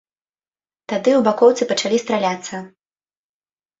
Тады ў бакоўцы пачалі страляцца.